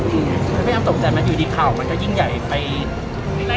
มันไม่อ้ำตกใจไหมอยู่ดีเขามันก็ยิ่งใหญ่ไป